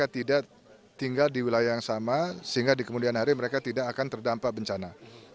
tidak tinggal di wilayah yang sama sehingga di kemudian hari mereka tidak akan terdampak bencana